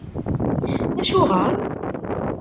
AcuƔer?